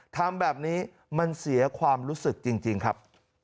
ทำแบบนี้มันเสียความรู้สึกจริงครับ